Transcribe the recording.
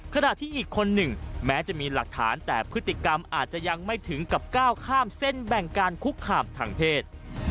ขณะที่อีกคนหนึ่งแม้จะมีหลักฐานแต่พฤติกรรมอาจจะยังไม่ถึงกับก้าวข้ามเส้นแบ่งการคุกคามทางเพศ